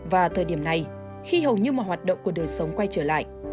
và thời điểm này khi hầu như mọi hoạt động của đời sống quay trở lại